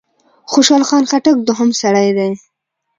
خوشحال خان خټک دوهم سړی دی.